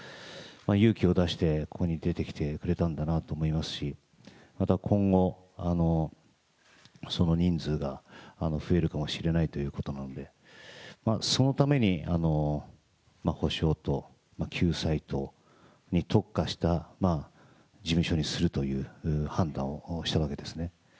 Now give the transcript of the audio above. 勇気を出して、ここに出てきてくれたんだなと思いますし、また今後、その人数が増えるかもしれないということなので、そのために補償と救済に特化した事務所にするという判断をしたわけですね。